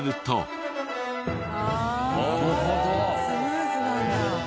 ああスムーズなんだ。